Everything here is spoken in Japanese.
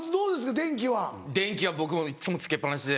電気は僕もいっつもつけっ放しで。